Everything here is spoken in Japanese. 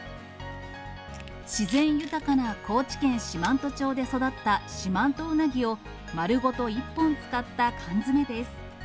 自然豊かな高知県四万十町で育った四万十うなぎを丸ごと一本使った缶詰です。